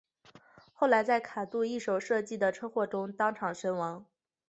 后来在里卡度一手设计的车祸中当场身亡。